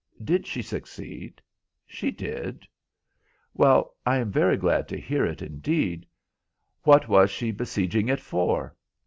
"Did she succeed?" "She did." "Well, I am very glad to hear it, indeed. What was she besieging it for?"